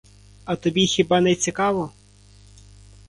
А тобі хіба не цікаво?